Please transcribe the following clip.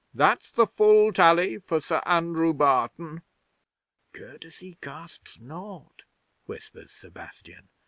That's the full tally for Sir Andrew Barton." '"Courtesy costs naught," whispers Sebastian.